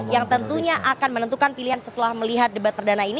yang tentunya akan menentukan pilihan setelah melihat debat perdana ini